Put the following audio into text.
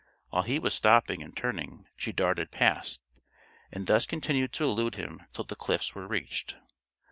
While he was stopping and turning, she darted past, and thus continued to elude him till the cliffs were reached.